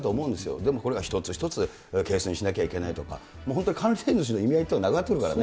でもこれ一つ一つケースにしなきゃいけないとか、本当に回転ずしの意味合いっていうのが、なくなってくるからね。